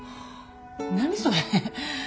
何それ。